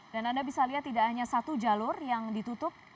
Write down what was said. dan anda bisa lihat tidak hanya satu jalur yang ditutup